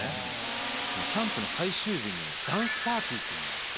そのキャンプの最終日にダンスパーティーっていうのがあって。